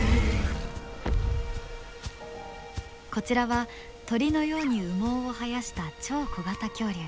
こちらは鳥のように羽毛を生やした超小型恐竜。